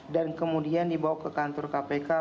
kemudian dibawa ke kantor kpk